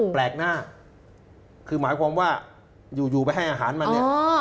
แปลกหน้าคือหมายความว่าอยู่ไปให้อาหารมันเนี่ย